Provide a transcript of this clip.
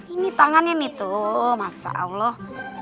ini tangannya nih tuh masya allah